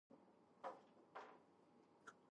I wouldn't bet against him.